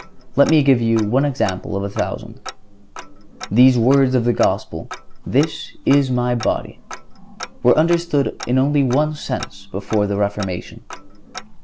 Let me give you one example out of a thousand. These words of the Gospel, "This is My Body," were understood only in one sense before the Reformation.